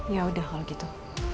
yaudah kalo gitu